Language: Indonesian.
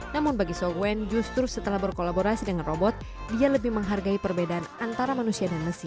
namun bagi so wen justru setelah berkolaborasi dengan robot dia lebih menghargai perbedaan antara manusia dan mesin